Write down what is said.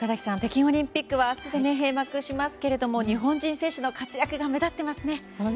北京オリンピックは明日で閉幕しますけれども日本人選手の活躍が目立っていますね。